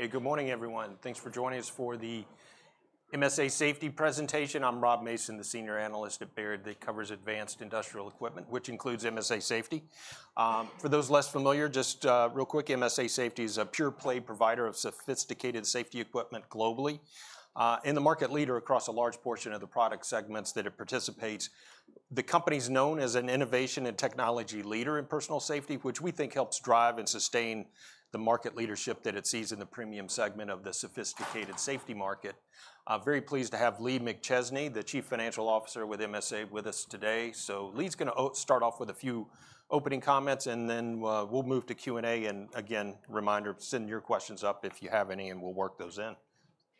Hey, good morning, everyone. Thanks for joining us for the MSA Safety presentation. I'm Rob Mason, the senior analyst at Baird that covers advanced industrial equipment, which includes MSA Safety. For those less familiar, just real quick, MSA Safety is a pure-play provider of sophisticated safety equipment globally, and the market leader across a large portion of the product segments that it participates. The company's known as an innovation and technology leader in personal safety, which we think helps drive and sustain the market leadership that it sees in the premium segment of the sophisticated safety market. I'm very pleased to have Lee McChesney, the Chief Financial Officer with MSA, with us today. So Lee's gonna start off with a few opening comments, and then we'll move to Q&A. And again, reminder, send your questions up if you have any, and we'll work those in.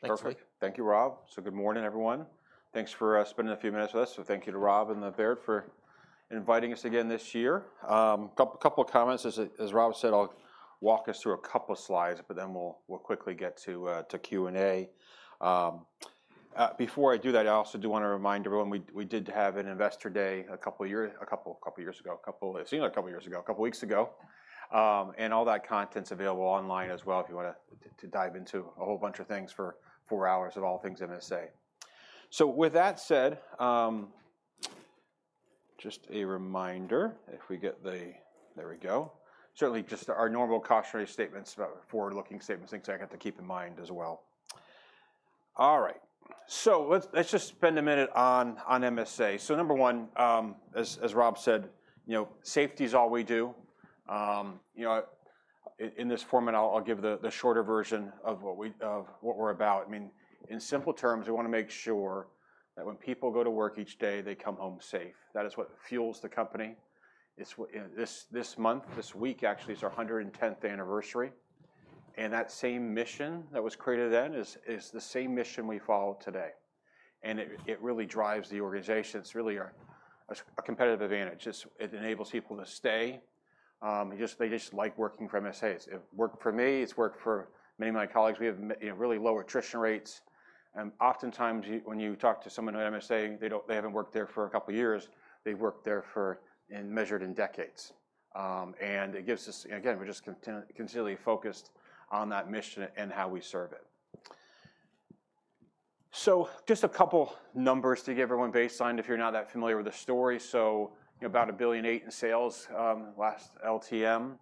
Thanks, Lee. Perfect. Thank you, Rob. Good morning, everyone. Thanks for spending a few minutes with us. Thank you to Rob and Baird for inviting us again this year. Couple of comments. As Rob said, I'll walk us through a couple of slides, but then we'll quickly get to Q&A. Before I do that, I also do want to remind everyone, we did have an Investor Day a couple of years ago. It seemed like a couple of years ago, a couple of weeks ago. And all that content's available online as well if you want to dive into a whole bunch of things for four hours of all things MSA. So with that said, just a reminder, if we get the... There we go. Certainly, just our normal cautionary statements about forward-looking statements, things I got to keep in mind as well. All right, so let's just spend a minute on MSA. So number one, as Rob said, you know, safety is all we do. You know, in this format, I'll give the shorter version of what we're about. I mean, in simple terms, we wanna make sure that when people go to work each day, they come home safe. That is what fuels the company. It's this month, this week, actually, is our 110th anniversary, and that same mission that was created then is the same mission we follow today, and it really drives the organization. It's really our competitive advantage. It enables people to stay. They just like working for MSA. It worked for me, it's worked for many of my colleagues. We have, you know, really low attrition rates, and oftentimes, when you talk to someone at MSA, they haven't worked there for a couple of years, they've worked there for, measured in decades. And it gives us. Again, we're just continually focused on that mission and how we serve it. So just a couple numbers to give everyone baseline, if you're not that familiar with the story. So, about $1.008 billion in sales last LTM.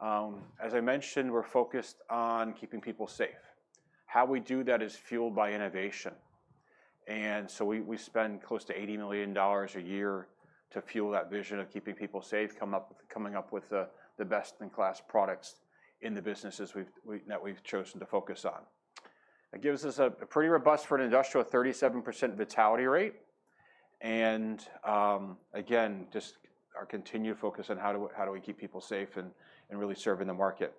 As I mentioned, we're focused on keeping people safe. How we do that is fueled by innovation, and so we spend close to $80 million a year to fuel that vision of keeping people safe, coming up with the best-in-class products in the businesses that we've chosen to focus on. It gives us a pretty robust, for an industrial, 37% vitality rate, and again, just our continued focus on how do we keep people safe and really serving the market.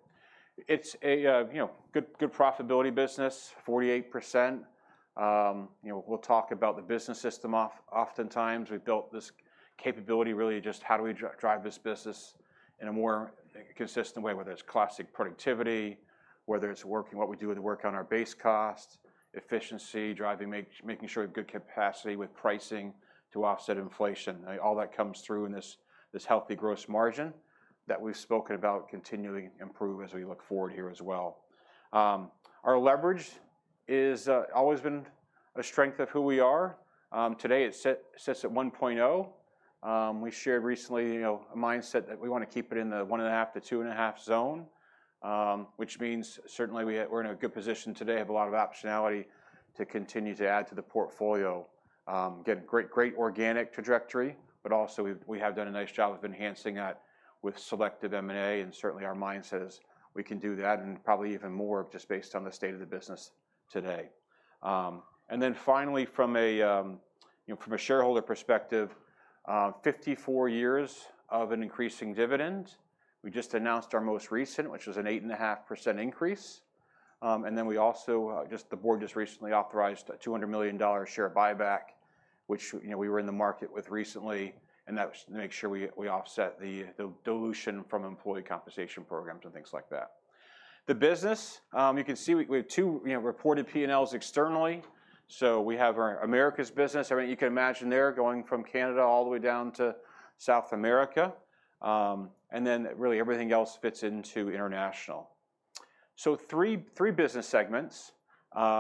It's a you know good profitability business, 48%. You know, we'll talk about the business system often oftentimes. We've built this capability, really, just how do we drive this business in a more consistent way, whether it's classic productivity, whether it's working, what we do with work on our base cost, efficiency, driving, making sure we have good capacity with pricing to offset inflation. All that comes through in this, this healthy gross margin that we've spoken about continuing to improve as we look forward here as well. Our leverage is always been a strength of who we are. Today, it sits at 1.0. We shared recently, you know, a mindset that we wanna keep it in the 1.5-2.5 zone, which means certainly we are, we're in a good position today, have a lot of optionality to continue to add to the portfolio. Get great, great organic trajectory, but also, we've, we have done a nice job of enhancing that with selective M&A, and certainly, our mindset is we can do that and probably even more just based on the state of the business today. And then finally, from a, you know, from a shareholder perspective, 54 years of an increasing dividend. We just announced our most recent, which was an 8.5% increase. And then we also, just the board just recently authorized a $200 million share buyback, which, you know, we were in the market with recently, and that was to make sure we, we offset the, the dilution from employee compensation programs and things like that. The business, you can see we, we have two, you know, reported P&Ls externally. So we have our Americas business. I mean, you can imagine there, going from Canada all the way down to South America. And then really everything else fits into international. So three business segments. You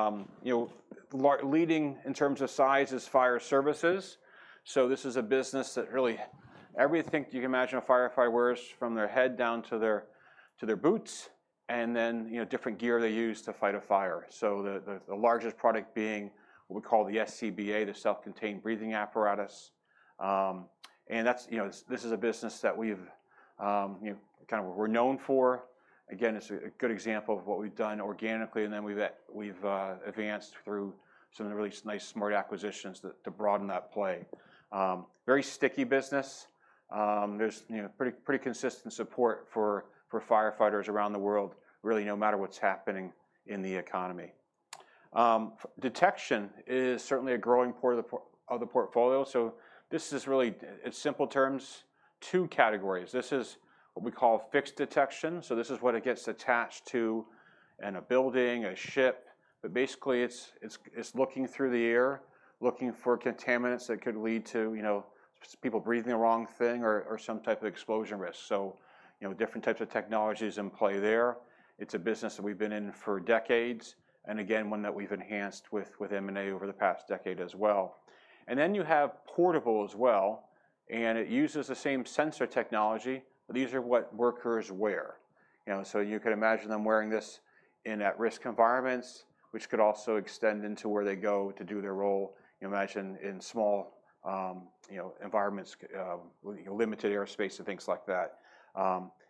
know, leading in terms of size is fire services. So this is a business that really everything you can imagine a firefighter wears, from their head down to their boots, and then, you know, different gear they use to fight a fire. So the largest product being what we call the SCBA, the self-contained breathing apparatus. And that's, you know, this is a business that we've, you know, kind of what we're known for. Again, it's a good example of what we've done organically, and then we've advanced through some of the really nice, smart acquisitions to broaden that play. Very sticky business. There's, you know, pretty, pretty consistent support for firefighters around the world, really, no matter what's happening in the economy. Detection is certainly a growing part of the portfolio, so this is really, in simple terms, two categories. This is what we call fixed detection, so this is what it gets attached to in a building, but basically it's looking through the air, looking for contaminants that could lead to, you know, people breathing the wrong thing or some type of explosion risk. So, you know, different types of technologies in play there. It's a business that we've been in for decades, and again, one that we've enhanced with M&A over the past decade as well. And then you have portable as well, and it uses the same sensor technology, but these are what workers wear. You know, so you could imagine them wearing this in at-risk environments, which could also extend into where they go to do their role. You imagine in small, you know, environments, you know, limited airspace and things like that.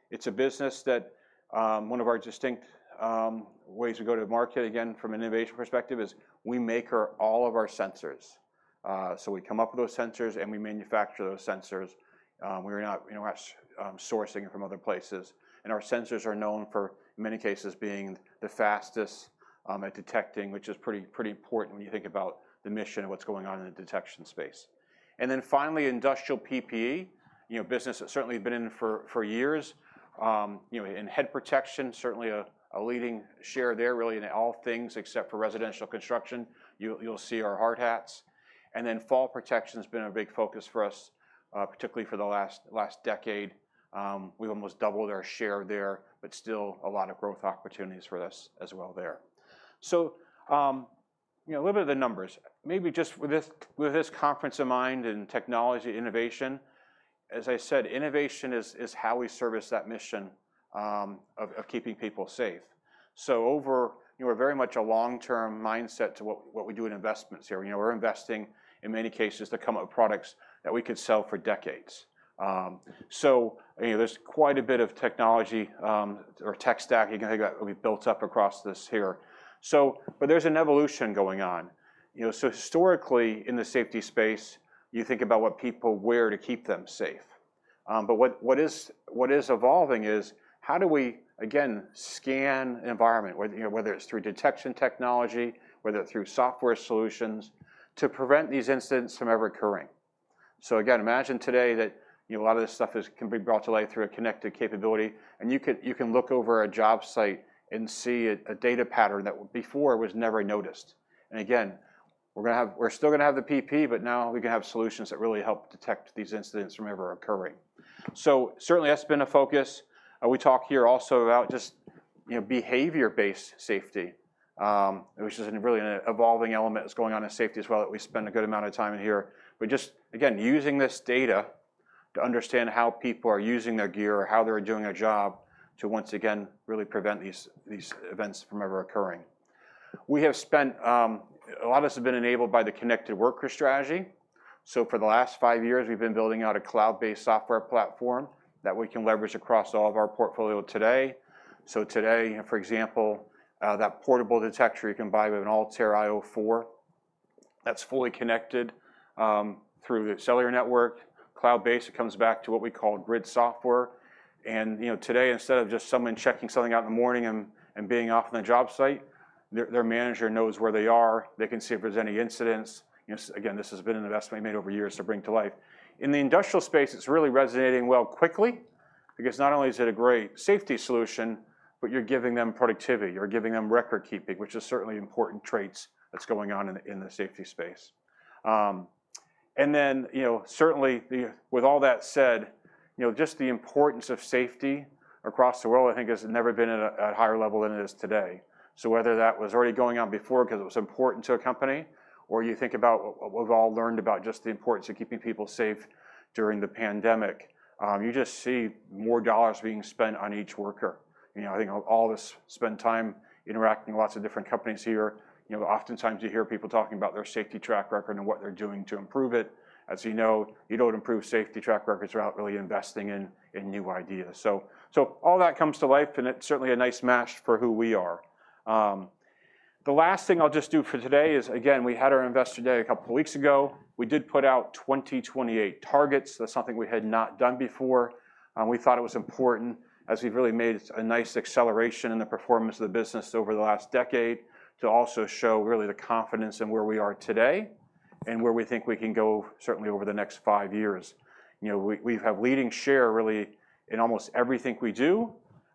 It's a business that, one of our distinct, ways we go to market, again, from an innovation perspective, is we make our, all of our sensors. So we come up with those sensors, and we manufacture those sensors. We're not, we're not, sourcing it from other places, and our sensors are known for, in many cases, being the fastest, at detecting, which is pretty, pretty important when you think about the mission and what's going on in the detection space. And then finally, industrial PPE. You know, a business that certainly we've been in for, for years. You know, in head protection, certainly a leading share there, really in all things except for residential construction. You'll see our hard hats, and then fall protection's been a big focus for us, particularly for the last decade. We've almost doubled our share there, but still a lot of growth opportunities for us as well there. So, you know, a little bit of the numbers. Maybe just with this conference in mind and technology innovation, as I said, innovation is how we service that mission of keeping people safe. So over... You know, we're very much a long-term mindset to what we do in investments here. You know, we're investing, in many cases, to come up with products that we could sell for decades. So, you know, there's quite a bit of technology, or tech stack, you can think of, we built up across this here. But there's an evolution going on. You know, so historically, in the safety space, you think about what people wear to keep them safe. But what is evolving is, how do we, again, scan an environment, whether, you know, whether it's through detection technology, whether through software solutions, to prevent these incidents from ever occurring? So again, imagine today that, you know, a lot of this stuff can be brought to life through a connected capability, and you can look over a job site and see a data pattern that before was never noticed. And again, we're gonna have—we're still gonna have the PPE, but now we can have solutions that really help detect these incidents from ever occurring. So certainly, that's been a focus. We talk here also about just, you know, behavior-based safety, which is a really evolving element that's going on in safety as well, that we spend a good amount of time in here. We're just, again, using this data to understand how people are using their gear or how they're doing their job to once again, really prevent these events from ever occurring. We have spent. A lot of this has been enabled by the Connected Worker strategy. So for the last five years, we've been building out a cloud-based software platform that we can leverage across all of our portfolio today. So today, for example, that portable detector, you can buy with an ALTAIR io 4. That's fully connected through the cellular network, cloud-based, it comes back to what we call Grid Software, and, you know, today, instead of just someone checking something out in the morning and being off on a job site, their manager knows where they are. They can see if there's any incidents. You know, again, this has been an investment we made over years to bring to life. In the industrial space, it's really resonating well quickly, because not only is it a great safety solution, but you're giving them productivity, you're giving them record keeping, which is certainly important traits that's going on in the safety space. With all that said, you know, certainly just the importance of safety across the world, I think, has never been at a higher level than it is today. So whether that was already going on before 'cause it was important to a company, or you think about what we've all learned about just the importance of keeping people safe during the pandemic, you just see more dollars being spent on each worker. You know, I spend time interacting with lots of different companies here, you know, oftentimes you hear people talking about their safety track record and what they're doing to improve it. As you know, you don't improve safety track records without really investing in new ideas. So all that comes to life, and it's certainly a nice match for who we are. The last thing I'll just do for today is, again, we had our Investor Day a couple of weeks ago. We did put out 2028 targets. That's something we had not done before, and we thought it was important as we've really made a nice acceleration in the performance of the business over the last decade, to also show really the confidence in where we are today and where we think we can go, certainly over the next five years. You know, we have leading share really in almost everything we do,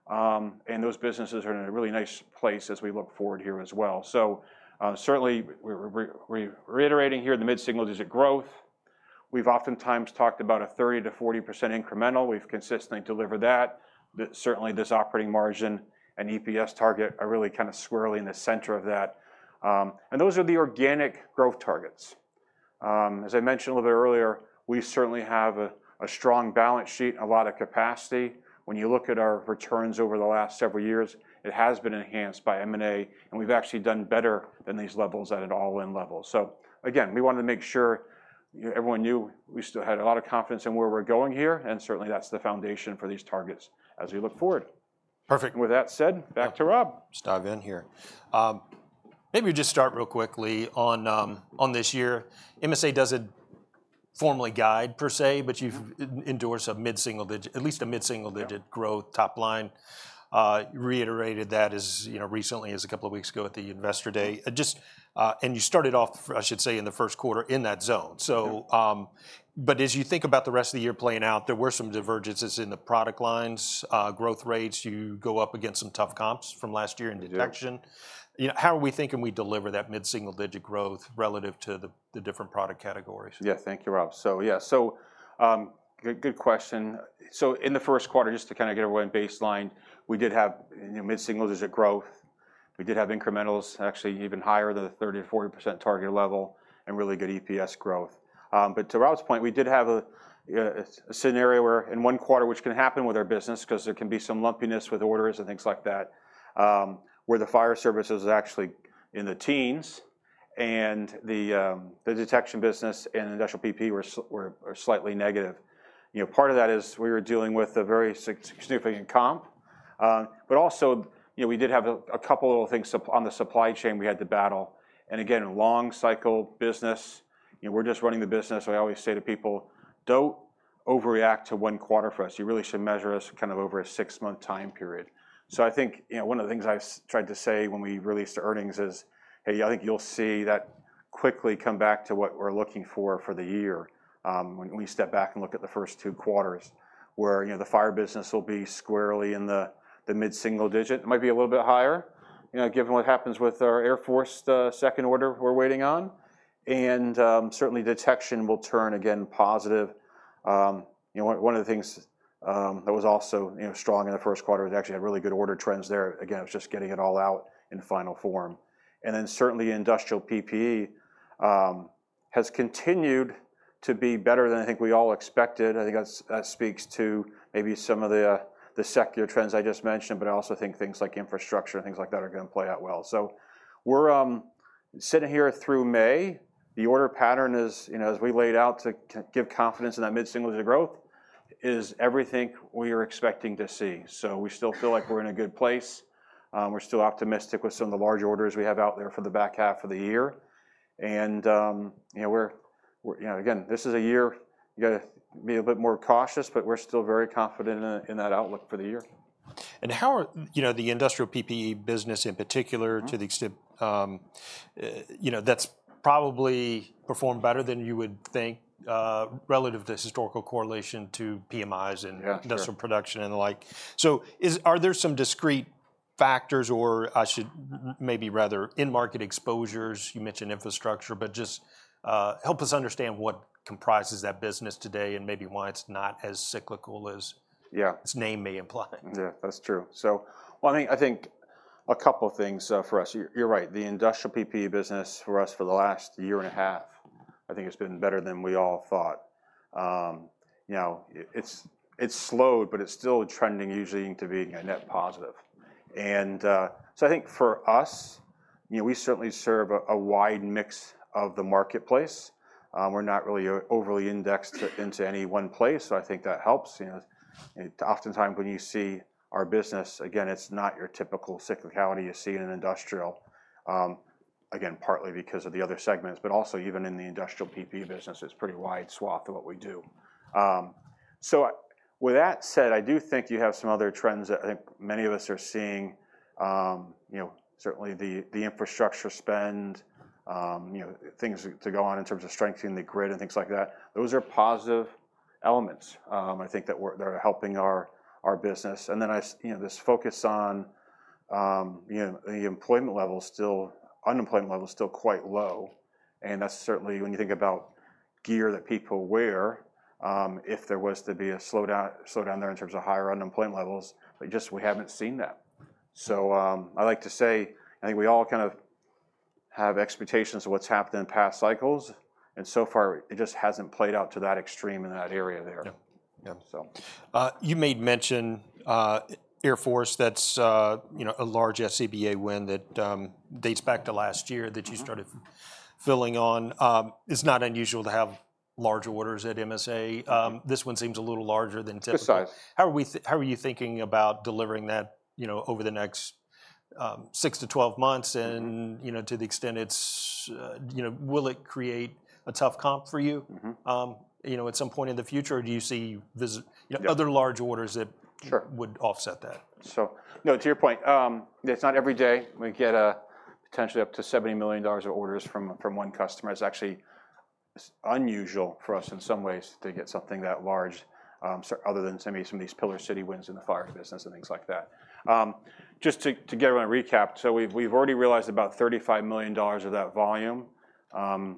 and those businesses are in a really nice place as we look forward here as well. So, certainly, we're reiterating here, the mid-single-digit growth. We've oftentimes talked about a 30%-40% incremental. We've consistently delivered that. Certainly, this operating margin and EPS target are really kind of squarely in the center of that, and those are the organic growth targets. As I mentioned a little bit earlier, we certainly have a strong balance sheet and a lot of capacity. When you look at our returns over the last several years, it has been enhanced by M&A, and we've actually done better than these levels at an all-in level. So again, we wanted to make sure everyone knew we still had a lot of confidence in where we're going here, and certainly, that's the foundation for these targets as we look forward. Perfect, and with that said, back to Rob. Just dive in here. Maybe just start real quickly on, on this year. MSA doesn't formally guide per se- Mm-hmm... but you've endorsed a mid-single digit, at least a mid-single digit- Yeah... growth top line. Reiterated that as, you know, recently as a couple of weeks ago at the Investor Day. Just, and you started off, I should say, in the first quarter in that zone. Mm-hmm. But as you think about the rest of the year playing out, there were some divergences in the product lines, growth rates. You go up against some tough comps from last year in detection. Yeah. You know, how are we thinking we deliver that mid-single-digit growth relative to the different product categories? Yeah. Thank you, Rob. So yeah, good question. So in the first quarter, just to kind of get everyone baselined, we did have, you know, mid-single-digit growth. We did have incrementals actually even higher than the 30%-40% target level and really good EPS growth. But to Rob's point, we did have a scenario where in one quarter, which can happen with our business, 'cause there can be some lumpiness with orders and things like that, where the fire service is actually in the teens, and the detection business and industrial PPE were slightly negative. You know, part of that is we were dealing with a very significant comp. But also, you know, we did have a couple of little things on the supply chain we had to battle, and again, in long cycle business, you know, we're just running the business. I always say to people, "Don't overreact to one quarter for us. You really should measure us kind of over a six-month time period." So I think, you know, one of the things I tried to say when we released the earnings is, "Hey, I think you'll see that quickly come back to what we're looking for for the year, when, when you step back and look at the first two quarters, where, you know, the fire business will be squarely in the, the mid-single digit." It might be a little bit higher, you know, given what happens with our Air Force, second order we're waiting on, and, certainly, detection will turn again positive. You know, one of the things that was also, you know, strong in the first quarter, we actually had really good order trends there. Again, it was just getting it all out in final form. And then, certainly, Industrial PPE has continued to be better than I think we all expected. I think that speaks to maybe some of the secular trends I just mentioned, but I also think things like infrastructure and things like that are gonna play out well. So we're sitting here through May. The order pattern is, you know, as we laid out to give confidence in that mid-single-digit growth, is everything we are expecting to see. So we still feel like we're in a good place. We're still optimistic with some of the large orders we have out there for the back half of the year. And, you know, again, this is a year you gotta be a bit more cautious, but we're still very confident in that outlook for the year. How are, you know, the industrial PPE business in particular? Mm-hmm. -to the extent, you know, that's probably performed better than you would think, relative to this historical correlation to PMIs and- Yeah, sure... industrial production and the like. So are there some discrete factors, or I should maybe rather, end market exposures? You mentioned infrastructure, but just, help us understand what comprises that business today and maybe why it's not as cyclical as- Yeah... its name may imply. Yeah, that's true. So well, I think, I think a couple of things for us. You're, you're right, the industrial PPE business for us for the last year and a half, I think it's been better than we all thought. You know, it's, it's slowed, but it's still trending usually to being a net positive. And so I think for us, you know, we certainly serve a wide mix of the marketplace. We're not really overly indexed to any one place, so I think that helps, you know. Oftentimes, when you see our business, again, it's not your typical cyclicality you see in an industrial, again, partly because of the other segments, but also even in the industrial PPE business, it's a pretty wide swath of what we do. With that said, I do think you have some other trends that I think many of us are seeing. You know, certainly the infrastructure spend, you know, things to go on in terms of strengthening the grid and things like that. Those are positive elements, I think, that are helping our business. And then, you know, this focus on, you know, the employment level is still... unemployment level is still quite low, and that's certainly when you think about gear that people wear, if there was to be a slowdown there in terms of higher unemployment levels, but just we haven't seen that. I like to say, I think we all kind of have expectations of what's happened in past cycles, and so far, it just hasn't played out to that extreme in that area there. Yeah. Yeah, so. You made mention, Air Force, that's, you know, a large SCBA win that dates back to last year- Mm-hmm... that you started filling on. It's not unusual to have larger orders at MSA. Mm-hmm. This one seems a little larger than typical. Good size. How are you thinking about delivering that, you know, over the next 6-12 months? Mm-hmm... and, you know, to the extent it's, you know, will it create a tough comp for you? Mm-hmm. you know, at some point in the future, do you see there's, you know- Yeah... other large orders that- Sure... would offset that? So, no, to your point, it's not every day we get a potentially up to $70 million of orders from one customer. It's actually unusual for us in some ways to get something that large, so other than maybe some of these Pillar City wins in the fire business and things like that. Just to give a recap, so we've already realized about $35 million of that volume.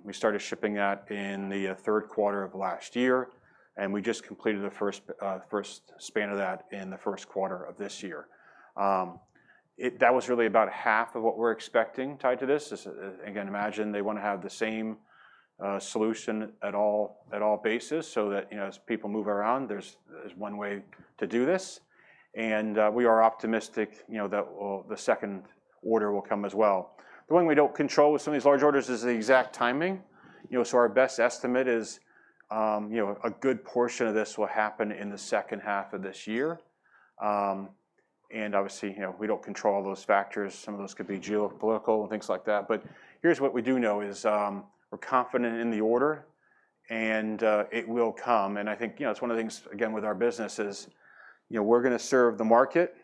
We started shipping that in the third quarter of last year, and we just completed the first span of that in the first quarter of this year. That was really about half of what we're expecting tied to this. This, again, imagine they wanna have the same solution at all bases, so that, you know, as people move around, there's one way to do this, and we are optimistic, you know, that, well, the second order will come as well. The one we don't control with some of these large orders is the exact timing. You know, so our best estimate is, you know, a good portion of this will happen in the second half of this year. And obviously, you know, we don't control those factors. Some of those could be geopolitical and things like that. But here's what we do know is, we're confident in the order, and it will come, and I think, you know, it's one of the things, again, with our business is, you know, we're gonna serve the market,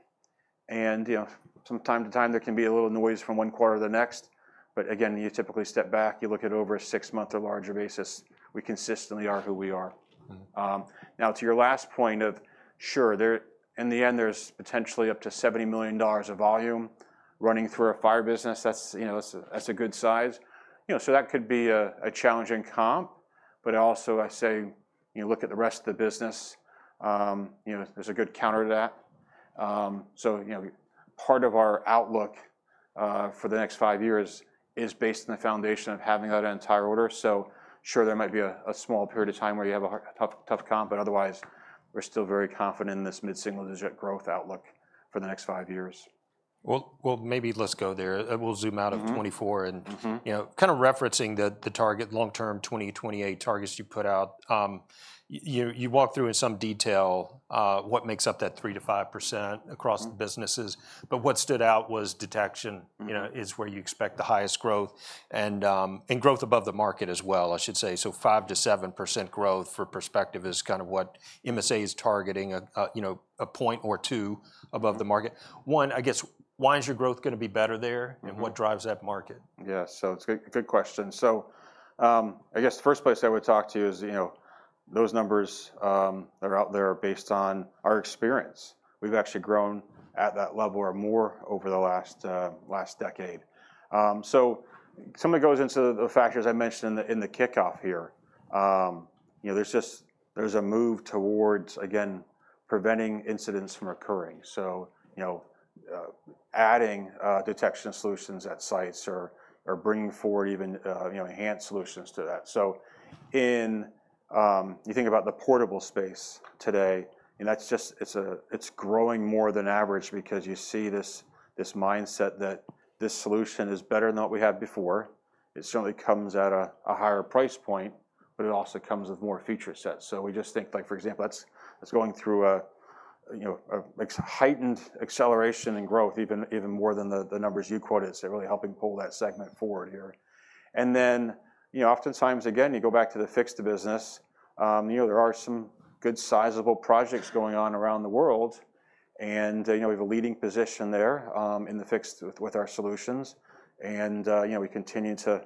and, you know, from time to time, there can be a little noise from one quarter to the next. But again, you typically step back, you look at over a six-month or larger basis, we consistently are who we are. Mm-hmm. Now, to your last point of... Sure, in the end, there's potentially up to $70 million of volume running through our fire business. That's, you know, that's, that's a good size. You know, so that could be a, a challenging comp.... but also I say, you know, look at the rest of the business, you know, there's a good counter to that. So, you know, part of our outlook, for the next five years is based on the foundation of having that entire order. So sure, there might be a, a small period of time where you have a tough, tough comp, but otherwise, we're still very confident in this mid-single-digit growth outlook for the next five years. Well, well, maybe let's go there. We'll zoom out- Mm-hmm... of 2024, and- Mm-hmm... you know, kind of referencing the target long-term 2028 targets you put out, you walked through in some detail, what makes up that 3%-5% across- Mm... the businesses, but what stood out was detection- Mm... you know, is where you expect the highest growth and, and growth above the market as well, I should say. So 5%-7% growth for perspective is kind of what MSA is targeting, you know, a point or two above the market. One, I guess, why is your growth gonna be better there? Mm-hmm. What drives that market? Yeah, so it's a good question. So, I guess the first place I would talk to is, you know, those numbers that are out there are based on our experience. We've actually grown at that level or more over the last last decade. So some of it goes into the factors I mentioned in the, in the kickoff here. You know, there's just- there's a move towards, again, preventing incidents from occurring. So, you know, adding detection solutions at sites or, or bringing forward even, you know, enhanced solutions to that. So in, you think about the portable space today, and that's just- it's a- it's growing more than average because you see this, this mindset that this solution is better than what we had before. It certainly comes at a higher price point, but it also comes with more feature set. So we just think, like, for example, that's going through a, you know, heightened acceleration and growth, even more than the numbers you quoted, so really helping pull that segment forward here. And then, you know, oftentimes, again, you go back to the fixed business. You know, there are some good sizable projects going on around the world, and, you know, we have a leading position there, in the fixed with our solutions. And, you know, we continue to,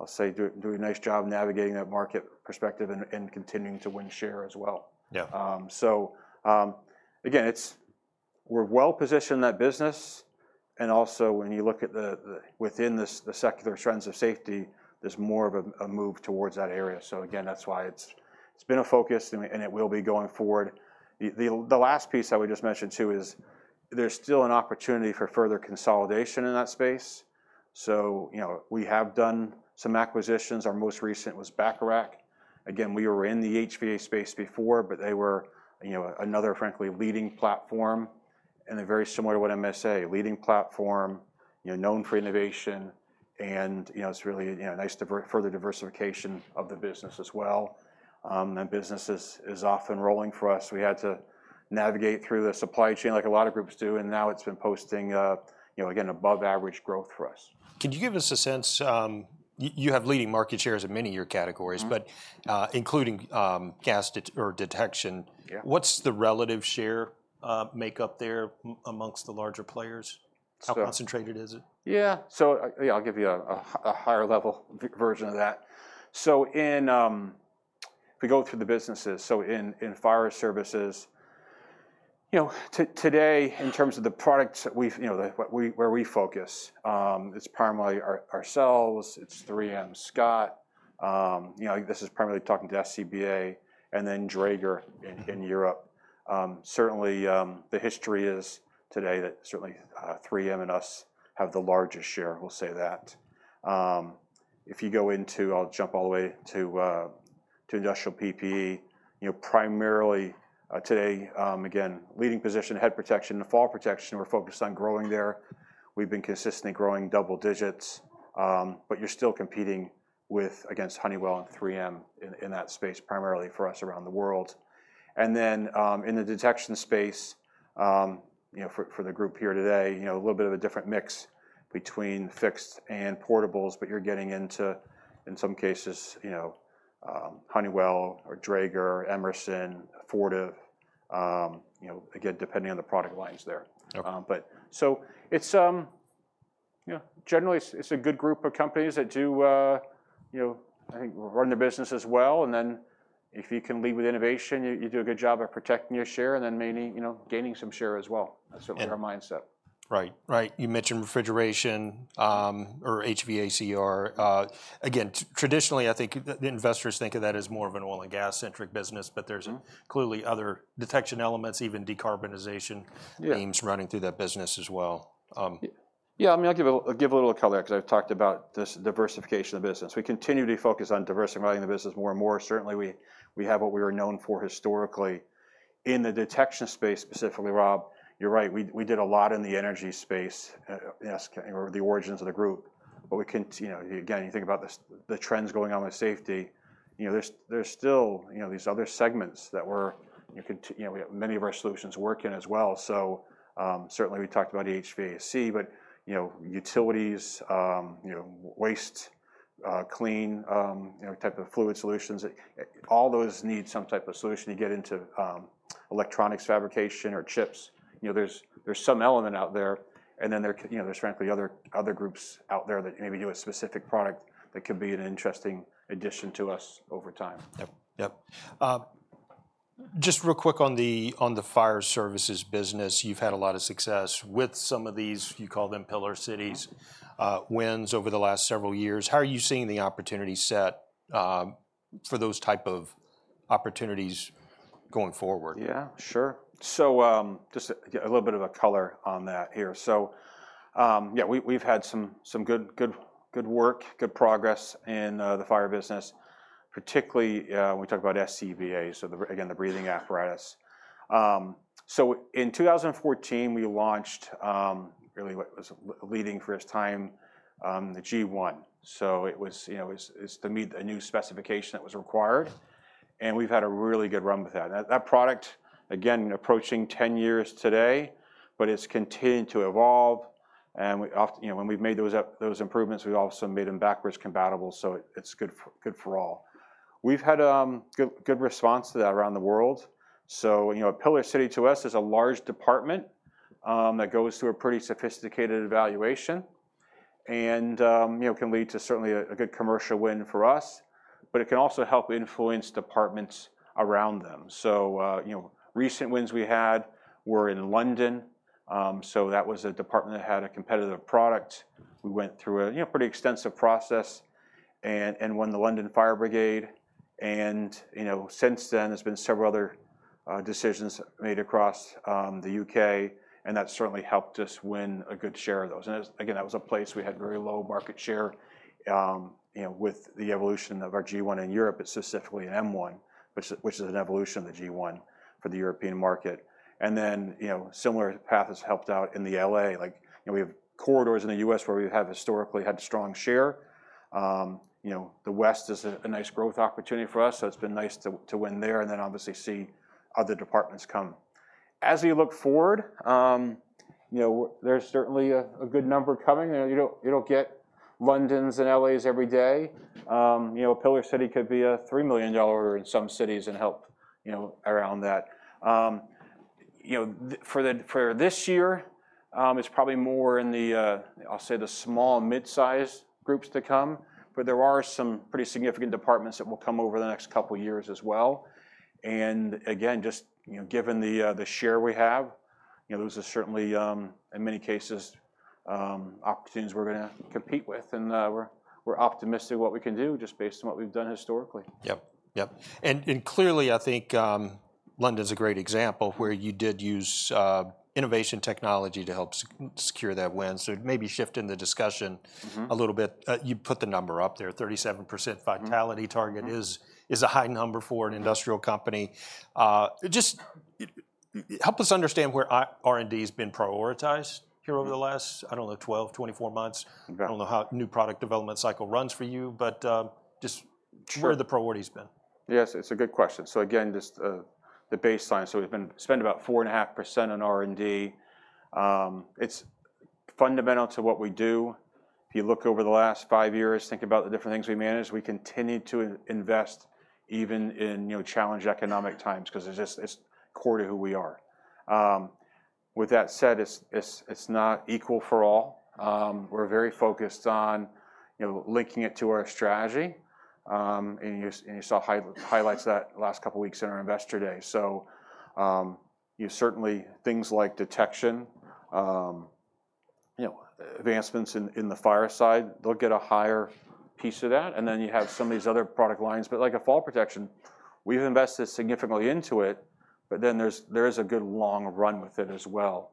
I'll say, do a nice job navigating that market perspective and continuing to win share as well. Yeah. So, again, it's... We're well-positioned in that business, and also, when you look at the, the, within the secular trends of safety, there's more of a move towards that area. So again, that's why it's been a focus, and it will be going forward. The last piece I would just mention, too, is there's still an opportunity for further consolidation in that space. So, you know, we have done some acquisitions. Our most recent was Bacharach. Again, we were in the HVAC space before, but they were, you know, another frankly, leading platform, and they're very similar to what MSA, a leading platform, you know, known for innovation, and, you know, it's really, you know, a nice further diversification of the business as well. That business is off and rolling for us. We had to navigate through the supply chain like a lot of groups do, and now it's been posting, you know, again, above-average growth for us. Could you give us a sense, you have leading market shares in many of your categories- Mm-hmm... but, including, gas detection- Yeah... what's the relative share, make up there among the larger players? So- How concentrated is it? Yeah, so, yeah, I'll give you a higher level version of that. So in, if we go through the businesses, so in fire services, you know, today, in terms of the products that we've, you know, what we where we focus, it's primarily ourselves, it's 3M Scott. You know, this is primarily talking to SCBA and then Dräger- Mm-hmm... in Europe. Certainly, the history is today that certainly, 3M and us have the largest share, we'll say that. If you go into... I'll jump all the way to industrial PPE, you know, primarily, today, again, leading position, head protection and fall protection, we're focused on growing there. We've been consistently growing double digits, but you're still competing with against Honeywell and 3M in that space, primarily for us around the world. And then, in the detection space, you know, for the group here today, you know, a little bit of a different mix between fixed and portables, but you're getting into, in some cases, you know, Honeywell or Dräger, Emerson, Fortive, you know, again, depending on the product lines there. Okay. It's, you know, generally, it's a good group of companies that do, you know, I think run the business as well, and then if you can lead with innovation, you do a good job of protecting your share and then maybe, you know, gaining some share as well. And- That's sort of our mindset. Right. Right, you mentioned refrigeration, or HVACR. Again, traditionally, I think the investors think of that as more of an oil and gas-centric business. Mm-hmm. But there's clearly other detection elements, even decarbonization. Yeah... themes running through that business as well. Yeah, I mean, I'll give a little color because I've talked about this diversification of the business. We continue to focus on diversifying the business more and more. Certainly, we have what we are known for historically. In the detection space, specifically, Rob, you're right, we did a lot in the energy space, yes, or the origins of the group, but, you know, again, you think about the trends going on with safety, you know, there's still, you know, these other segments that we're, you know, we have many of our solutions work in as well. So, certainly, we talked about the HVAC, but, you know, utilities, you know, waste, clean, you know, type of fluid solutions, all those need some type of solution. You get into electronics fabrication or chips, you know, there's some element out there, and then there could, you know, there's frankly other groups out there that maybe do a specific product that could be an interesting addition to us over time. Yep, yep. Just real quick on the, on the fire services business, you've had a lot of success with some of these, you call them pillar cities, wins over the last several years. How are you seeing the opportunity set, for those type of opportunities going forward? Yeah, sure. So, just a little bit of a color on that here. So, yeah, we've had some good work, good progress in the fire business, particularly when we talk about SCBA, so again, the breathing apparatus. So in 2014, we launched really what was a leading first time the G1. So it was, you know, to meet a new specification that was required, and we've had a really good run with that. And that product, again, approaching 10 years today, but it's continuing to evolve, and we, you know, when we've made those improvements, we've also made them backwards compatible, so it's good for all. We've had good response to that around the world. So, you know, a Pillar City to us is a large department that goes through a pretty sophisticated evaluation and, you know, can lead to certainly a good commercial win for us, but it can also help influence departments around them. So, you know, recent wins we had were in London, so that was a department that had a competitive product. We went through a, you know, pretty extensive process and won the London Fire Brigade, and, you know, since then, there's been several other decisions made across the U.K., and that certainly helped us win a good share of those. And again, that was a place we had very low market share. You know, with the evolution of our G1 in Europe, it's specifically an M1, which is an evolution of the G1 for the European market. And then, you know, similar path has helped out in the L.A. Like, you know, we have corridors in the U.S. where we have historically had strong share. You know, the West is a nice growth opportunity for us, so it's been nice to win there and then obviously see other departments come. As we look forward, you know, there's certainly a good number coming, and you don't get London's and L.A.'s every day. You know, Pillar City could be a $3 million in some cities and help, you know, around that. You know, for this year, it's probably more in the, I'll say, the small and mid-sized groups to come, but there are some pretty significant departments that will come over the next couple of years as well. And again, just, you know, given the share we have, you know, those are certainly, in many cases, opportunities we're gonna compete with, and we're optimistic what we can do, just based on what we've done historically. Yep, yep. And clearly, I think, London's a great example where you did use innovative technology to help secure that win. So maybe shifting the discussion- Mm-hmm... a little bit, you put the number up there, 37%- Mm-hmm Vitality target is a high number for an industrial company. Just help us understand where R&D has been prioritized here over the last, I don't know, 12, 24 months. Okay. I don't know how new product development cycle runs for you, but just- Sure where the priority's been. Yes, it's a good question. So again, just the baseline, so we've been spending about 4.5% on R&D. It's fundamental to what we do. If you look over the last five years, think about the different things we managed, we continued to invest even in, you know, challenged economic times, 'cause it's just it's core to who we are. With that said, it's not equal for all. We're very focused on, you know, linking it to our strategy, and you saw highlights that last couple of weeks in our Investor Day. So, you certainly things like detection, you know, advancements in, in the fire side, they'll get a higher piece of that, and then you have some of these other product lines. But like Fall Protection, we've invested significantly into it, but then there's, there is a good long run with it as well.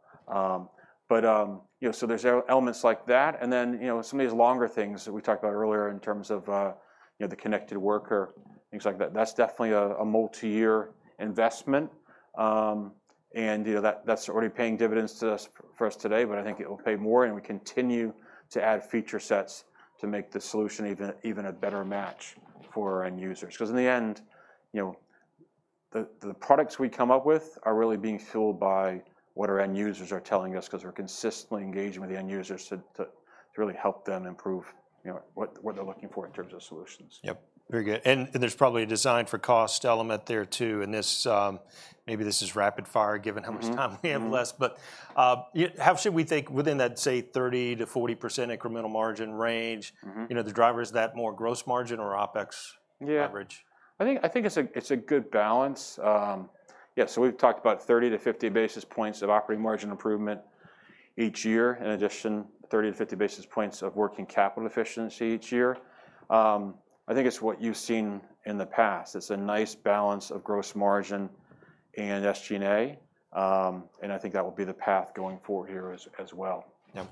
You know, so there's elements like that, and then, you know, some of these longer things that we talked about earlier in terms of, you know, the Connected Worker, things like that. That's definitely a multiyear investment. And, you know, that's already paying dividends for us today, but I think it will pay more, and we continue to add feature sets to make the solution even a better match for our end users. Because in the end, you know, the products we come up with are really being fueled by what our end users are telling us, 'cause we're consistently engaging with the end users to really help them improve, you know, what they're looking for in terms of solutions. Yep, very good. And there's probably a design for cost element there, too, and this, maybe this is rapid fire, given how much- Mm... time we have left. But, how should we think within that, say, 30%-40% incremental margin range? Mm-hmm. You know, the driver, is that more gross margin or OpEx- Yeah -average? I think it's a good balance. Yeah, so we've talked about 30-50 basis points of operating margin improvement each year, in addition, 30-50 basis points of working capital efficiency each year. I think it's what you've seen in the past. It's a nice balance of gross margin and SG&A, and I think that will be the path going forward here as well. Yeah.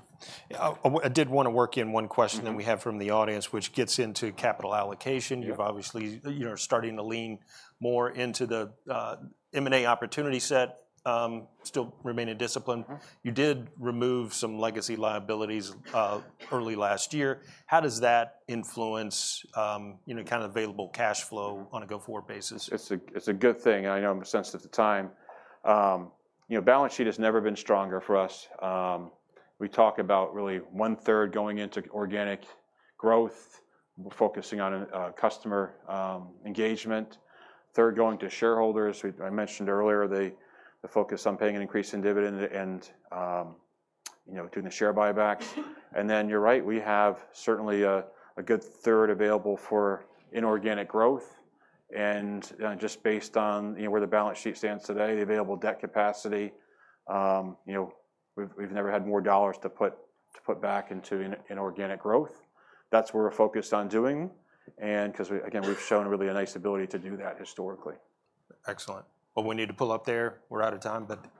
Yeah, I did want to work in one question- Mm-hmm... that we have from the audience, which gets into capital allocation. Yep. You've obviously, you know, starting to lean more into the M&A opportunity set, still remaining disciplined. Mm-hmm. You did remove some legacy liabilities early last year. How does that influence, you know, kind of available cash flow on a go-forward basis? It's a good thing, and I know I'm sensitive to time. You know, balance sheet has never been stronger for us. We talk about really one third going into organic growth, focusing on customer engagement. Third, going to shareholders, which I mentioned earlier, the focus on paying an increase in dividend and you know, doing the share buybacks. And then, you're right, we have certainly a good third available for inorganic growth, and just based on you know, where the balance sheet stands today, the available debt capacity, you know, we've never had more dollars to put back into inorganic growth. That's what we're focused on doing, and 'cause we, again, we've shown really a nice ability to do that historically. Excellent. Well, we need to pull up there. We're out of time, but-